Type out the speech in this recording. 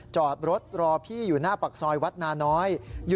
จอดรถรอพี่อยู่หน้าปากซอยวัดนาน้อย